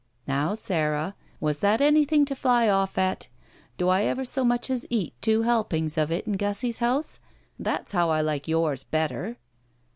"Now, Sara, was that anything to fly oflE at? Do I ever so much as eat two helpings of it in Gussie's house? That's how I like yours better!"